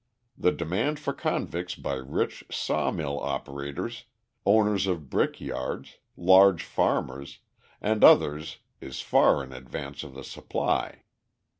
The demand for convicts by rich sawmill operators, owners of brick yards, large farmers, and others is far in advance of the supply.